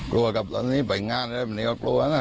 กลัวครับตอนนี้ไปงานแล้วก็กลัวนะ